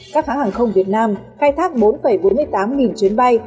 các hãng hàng không việt nam khai thác bốn bốn mươi tám nghìn chuyến bay